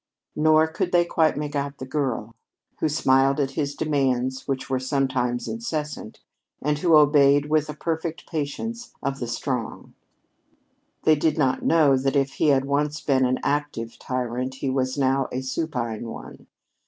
Nor could they quite make out the girl, who smiled at his demands, which were sometimes incessant, and who obeyed with the perfect patience of the strong. They did not know that if he had once been an active tyrant, he was now a supine one.